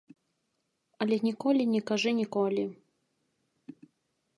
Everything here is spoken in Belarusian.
Але ніколі не кажы ніколі.